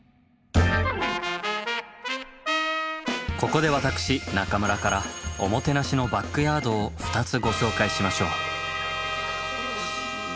ここで私中村からおもてなしのバックヤードを２つご紹介しましょう。